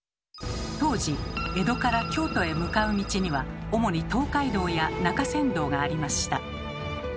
当時江戸から京都へ向かう道には主に東海道や中山道がありました。